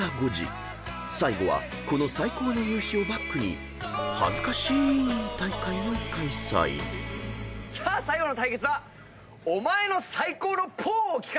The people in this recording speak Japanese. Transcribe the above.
［最後はこの最高の夕日をバックに恥ずかしい大会を開催］さあ最後の対決はお前の最高のぽーを聞かせてくれ！